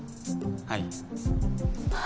はい。